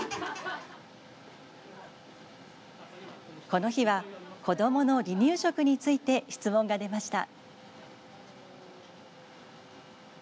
この日は子どもの離乳食について質問が出ました。